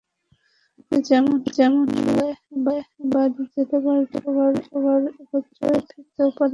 এতে যেমন সবাই মিলে বাড়ি যেতে পারেন, তেমনি আবার একত্রে ফিরতেও পারেন।